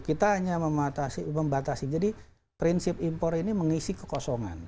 kita hanya membatasi jadi prinsip impor ini mengisi kekosongan